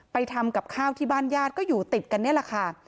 ทำกับข้าวที่บ้านญาติก็อยู่ติดกันนี่แหละค่ะ